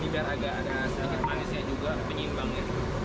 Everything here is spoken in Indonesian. biar ada sedikit manisnya juga penyimbangnya